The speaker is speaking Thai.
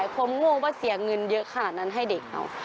ผมงงว่าเสียเงินเยอะขนาดนั้นให้เด็กเอา